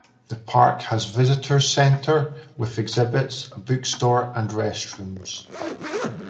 The park has visitors center with exhibits, a bookstore, and restrooms.